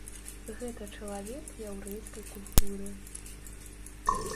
Гэта чалавек яўрэйскай культуры.